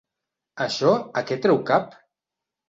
Això, a què treu cap?